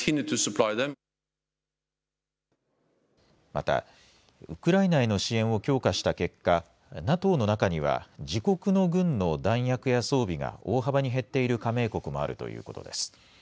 またウクライナへの支援を強化した結果、ＮＡＴＯの中には自国の軍の弾薬や装備が大幅に減っている加盟国もあるということです。